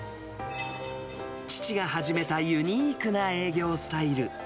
父が始めたユニークな営業スタイル。